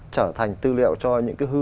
trở thành tư liệu cho những cái hư